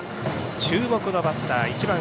注目のバッター１番